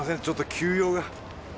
ちょっと急用が。